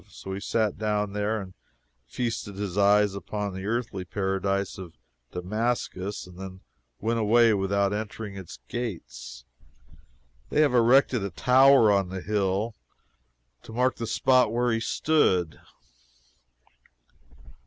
So he sat down there and feasted his eyes upon the earthly paradise of Damascus, and then went away without entering its gates. They have erected a tower on the hill to mark the spot where he stood.